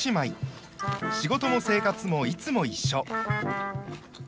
仕事も生活もいつも一緒。